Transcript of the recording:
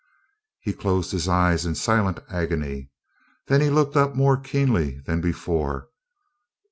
He closed his eyes in silent agony. Then he looked up more keenly than before.